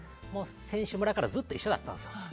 選手村からずっと一緒だったんです。